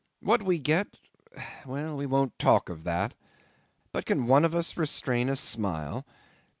What we get well, we won't talk of that; but can one of us restrain a smile?